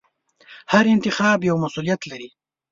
هر انتخاب یو مسوولیت لري.